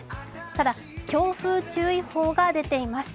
ただ、強風注意報が出ています。